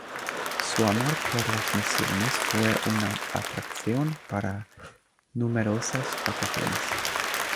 Su amor por las misiones fue una atracción para numerosas vocaciones.